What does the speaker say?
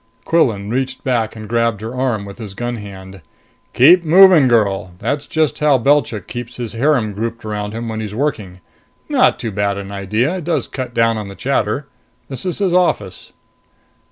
Quillan reached back and grabbed her arm with his gun hand. "Keep moving, girl! That's just how Belchik keeps his harem grouped around him when he's working. Not too bad an idea it does cut down the chatter. This is his office."